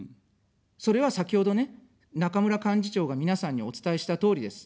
それは先ほどね、中村幹事長が皆さんにお伝えしたとおりです。